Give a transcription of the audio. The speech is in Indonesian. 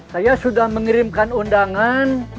saya sudah mengirimkan undangan